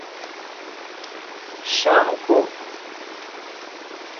शाम को